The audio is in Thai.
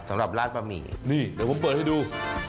สำหรับราดปะหมี่เนี่ยเดี๋ยวผมเปิดให้ดู